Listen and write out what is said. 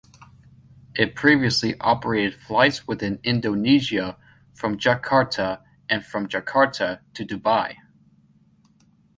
It previously operated flights within Indonesia from Jakarta and from Jakarta to Dubai.